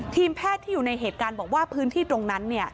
ทีมแพทย์ที่อยู่ในเหตุการณ์บอกว่าพื้นที่ตรงนั้น